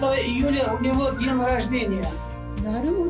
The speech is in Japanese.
なるほど。